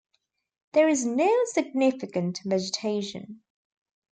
There is no significant vegetation.